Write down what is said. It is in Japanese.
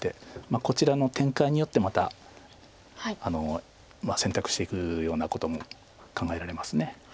こちらの展開によってまた選択していくようなことも考えられます。